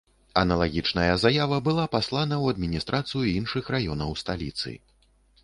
Аналагічная заява была паслана ў адміністрацыю іншых раёнаў сталіцы.